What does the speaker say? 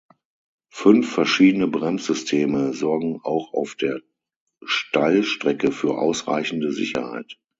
Fünf verschiedene Bremssysteme sorgen auch auf der Steilstrecke für ausreichende Sicherheit.